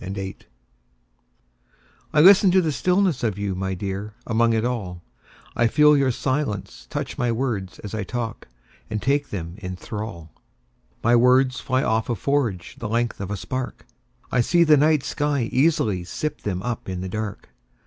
35. Listening I LISTEN to the stillness of you, My dear, among it all;I feel your silence touch my words as I talk, And take them in thrall.My words fly off a forgeThe length of a spark;I see the night sky easily sip themUp in the dark.